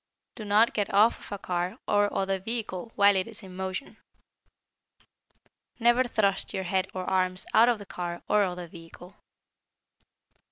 Do not get off of a car or other vehicle while it is in motion. Never thrust your head or arms out of the car or other vehicle.